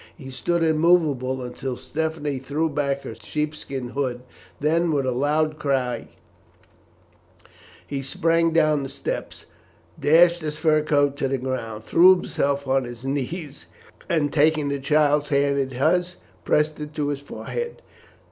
He stood immovable until Stephanie threw back her sheep skin hood, then, with a loud cry, he sprang down the steps, dashed his fur cap to the ground, threw himself on his knees, and taking the child's hand in his, pressed it to his forehead.